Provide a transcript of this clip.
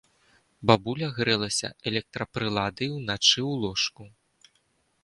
Бабуля грэлася электрапрыладай уначы ў ложку.